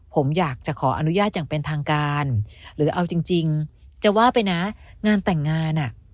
ผมอยากจะขออนุญาตอย่างเป็นทางการหรือเอาจริงจะว่าไปนะงานแต่งงานอ่ะ